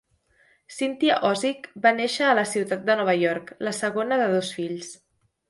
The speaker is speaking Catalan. Cynthia Ozick va néixer a la ciutat de Nova York, la segona de dos fills.